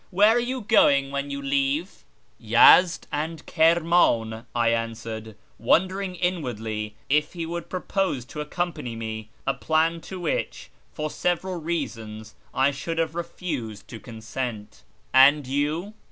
Where are you going when you leave ?"" Yezd and Kirman," I answered, wondering inwardly if he would propose to accompany me, a plan to which, for several reasons, I should have refused to consent ;" and you